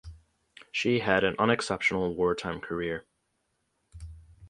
She had an unexceptional wartime career.